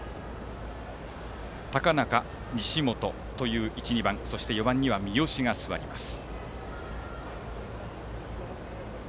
高中、西本という１、２番４番には三好が座ります。